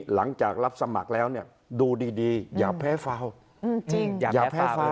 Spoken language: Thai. หลังจากรับสมัครแล้วเนี่ยดูดีอย่าแพ้ฟาวจริงอย่าแพ้ฟาว